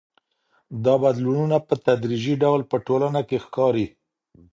دا بدلونونه په تدريجي ډول په ټولنه کي ښکاري.